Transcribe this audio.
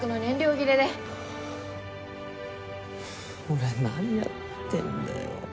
俺何やってんだよ。